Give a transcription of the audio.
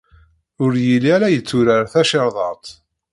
Ur yelli ara yetturar tacirḍart.